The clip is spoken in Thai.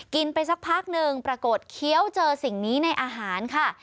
ไปสักพักหนึ่งปรากฏเคี้ยวเจอสิ่งนี้ในอาหารค่ะ